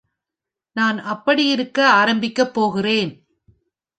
நான் அப்படி இருக்க ஆரம்பிக்க போகிறேன்.